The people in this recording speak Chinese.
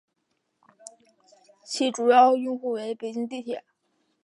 其主要用户为北京地铁。